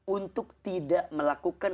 untuk tidak melakukan